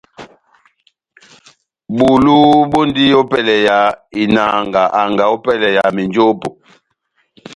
Bulu bɔndi ópɛlɛ ya inanga anga ópɛlɛ ya menjopo.